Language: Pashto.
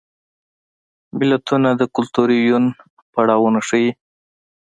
متلونه د کولتوري یون پړاوونه ښيي